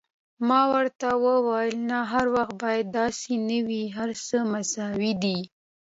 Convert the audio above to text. ما ورته وویل: نه، هر وخت بیا داسې نه وي، هر څه مساوي دي.